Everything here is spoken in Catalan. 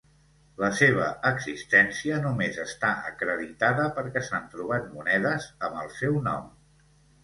La seva existència només està acreditada perquè s'han trobat monedes amb el seu nom.